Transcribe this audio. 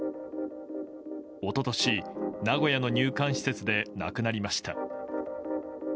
一昨年、名古屋の入管施設で亡くなりました。